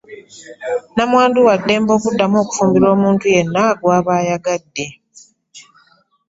Nnamwandu waddembe okuddamu okufumbirwa omuntu yenna gw’aba ayagadde.